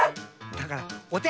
だからおて！